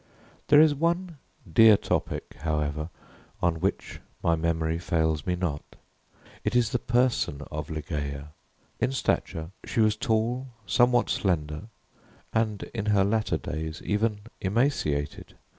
There is one dear topic, however, on which my memory fails me not. It is the person of Ligeia. In stature she was tall, somewhat slender, and, in her latter days, even emaciated.